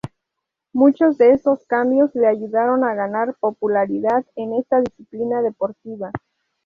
Muchos de estos cambios le ayudaron a ganar popularidad en esta disciplina deportiva.